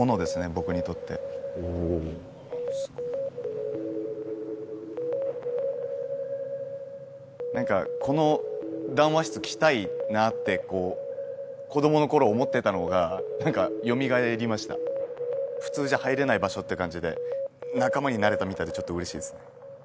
僕にとっておすごいなんかこの談話室来たいなってこう子どものころ思ってたのがなんかよみがえりました普通じゃ入れない場所って感じで仲間になれたみたいでちょっと嬉しいですね